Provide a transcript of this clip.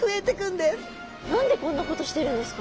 何でこんなことしてるんですか？